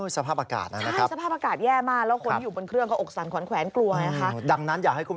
สภาพอากาศนั่นนะครับ